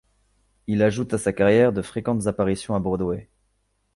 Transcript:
Il ajoute à sa carrière de fréquentes apparitions à Broadway.